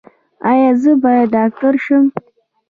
ایا زه باید ډاکټر شم؟